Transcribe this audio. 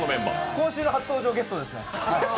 今週の初登場ゲストですね。